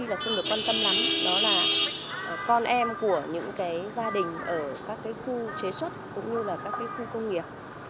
nhiều khí là không được quan tâm lắm đó là con em của những cái gia đình ở các cái khu chế xuất cũng như là các cái khu công nghiệp